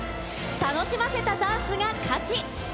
楽しませたダンスが勝ち。